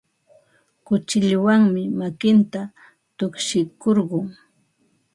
Kuchilluwanmi makinta tukshikurqun.